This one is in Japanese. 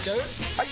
・はい！